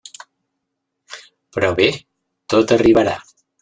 Però bé, tot arribarà.